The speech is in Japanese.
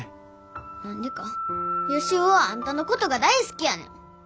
何でかヨシヲはあんたのことが大好きやねん。